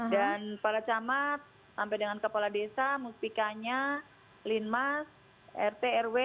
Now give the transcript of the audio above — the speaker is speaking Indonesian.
dan para camat sampai dengan kepala desa musikanya linmas rt rw